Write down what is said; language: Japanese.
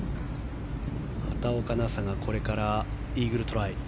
畑岡奈紗がこれからイーグルトライ。